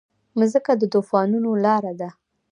مځکه د طوفانونو لاره ده.